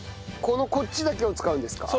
このこっちだけを使うんですか？